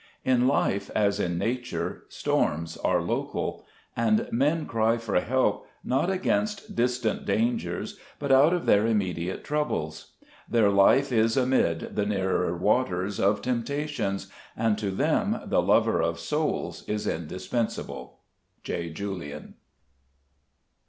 In life, as in nature, storms are local. And men cry for help, not against distant dangers, but out of their immediate troubles. Their life is amid "the nearer waters " of tempta tions, and to them the Lover of souls is indispen sable.' J. Julian.